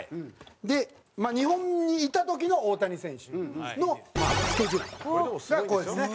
で日本にいた時の大谷選手のスケジュールがこうですね。